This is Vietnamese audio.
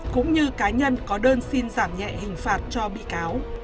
cũng như cá nhân có đơn xin giảm nhẹ hình phạt cho bị cáo